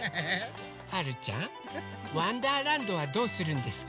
はるちゃん「わんだーらんど」はどうするんですか？